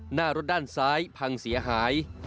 หน้ารถด้านซ้ายพังเสียหาย